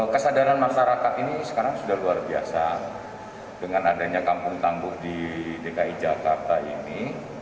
kesadaran masyarakat ini sekarang sudah luar biasa dengan adanya kampung tangguh di dki jakarta ini